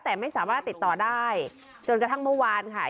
แต่ไม่สามารถติดต่อได้จนกระทั่งเมื่อวานค่ะ